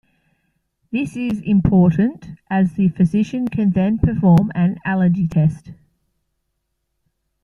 This is important as the physician can then perform an allergy test.